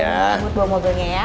jangan rambut bawa mobilnya ya